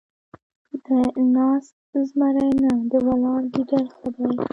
ـ د ناست زمري نه ، ولاړ ګيدړ ښه دی.